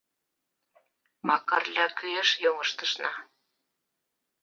Макарля кӱэш йоҥыштышна